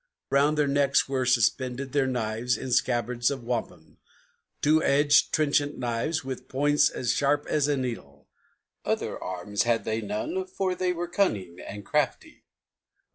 Round their necks were suspended their knives in scabbards of wampum, Two edged, trenchant knives, with points as sharp as a needle. Other arms had they none, for they were cunning and crafty.